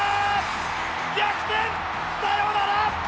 逆転サヨナラ！